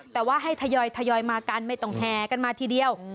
แต่ว่าให้ทยอยมากันไม่ต้องแห่กันมาทีเดียว